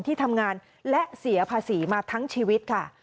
ที่ทำงานและเสียภาษีมาทั้งชีวิตค่ะ